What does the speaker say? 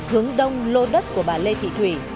hướng đông lô đất của bà lê thị thủy